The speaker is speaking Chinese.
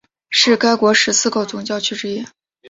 是该国十四个总教区之一。